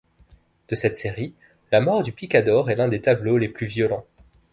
De cette série, la mort du picador est l'un des tableaux les plus violents.